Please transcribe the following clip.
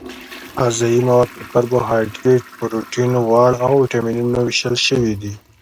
غذايي مواد په کاربوهایدریت پروټین غوړ او ویټامینونو ویشل شوي دي